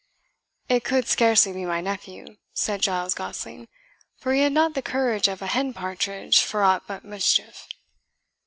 "It could scarcely be my nephew," said Giles Gosling, "for he had not the courage of a hen partridge for aught but mischief."